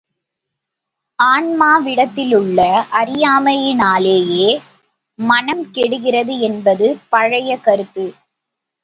ஆன்மாவினிடத்திலுள்ள அறியாமையினாலேயே மனம் கெடுகிறது என்பது பழைய கருத்து.